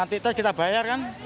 daripada kita nanti kita bayar kan